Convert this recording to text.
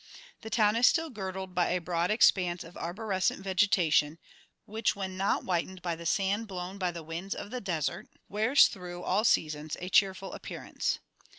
The town is still girdled by a broad expanse of arborescent vegetation, which, when not w r hitened by the sand blown by the winds of the desert, wears through all seasons a cheerful appearance.